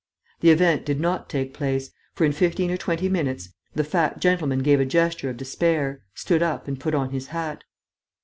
The event did not take place, for, in fifteen or twenty minutes, the fat gentleman gave a gesture of despair, stood up and put on his hat.